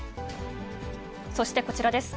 そしてこちらです。